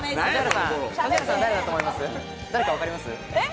誰か分かります？